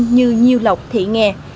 như nhiêu lọc thị nghè